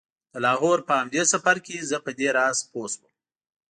د لاهور په همدې سفر کې زه په دې راز پوی شوم.